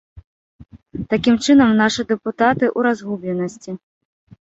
Такім чынам, нашы дэпутаты ў разгубленасці.